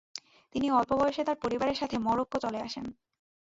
তিনি অল্প বয়সে তার পরিবারের সাথে মরক্কো চলে আসেন।